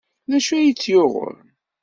D acu ay tt-yuɣen?